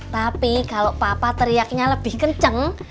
tapi kalau papa teriaknya lebih kenceng